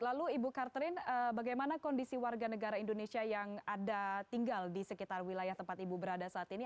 lalu ibu carterin bagaimana kondisi warga negara indonesia yang ada tinggal di sekitar wilayah tempat ibu berada saat ini